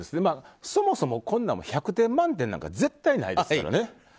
そもそも、こんなん１００点満点なんか絶対ないですからね。